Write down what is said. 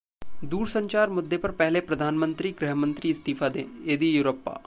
दूरसंचार मुद्दे पर पहले प्रधानमंत्री, गृह मंत्री इस्तीफा दें: येदियुरप्पा